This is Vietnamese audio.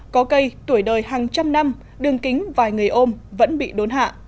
có cây tuổi đời hàng trăm năm đường kính vài người ôm vẫn bị đốn hạ